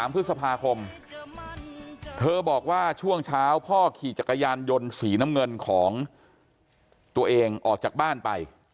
พฤษภาคมเธอบอกว่าช่วงเช้าพ่อขี่จักรยานยนต์สีน้ำเงินของตัวเองออกจากบ้านไป